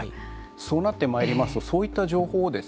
そうなってまいりますとそういった情報をですね